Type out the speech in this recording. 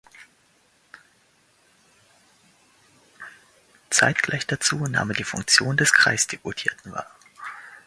Zeitgleich dazu nahm er die Funktion des Kreisdeputierten war.